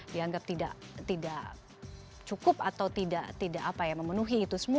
dianggap tidak cukup atau tidak memenuhi itu semua